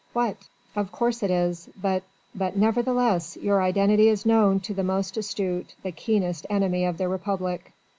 What?" "Of course it is. But...." "But nevertheless, your identity is known to the most astute, the keenest enemy of the Republic."